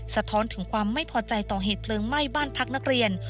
สะท้อนถึงความไม่พอใจต่อเหตุเพลิงไหม้บ้านพักนักเรียน